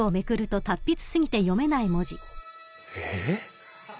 えっ？